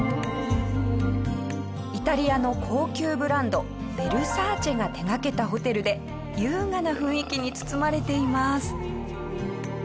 イタリアの高級ブランドヴェルサーチェが手掛けたホテルで優雅な雰囲気に包まれています。